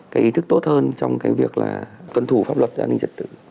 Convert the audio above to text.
cái ý thức tốt hơn trong cái việc là tuân thủ pháp luật về an ninh trật tự